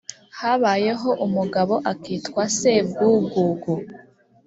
Habayeho umugabo akitwa Sebwugugu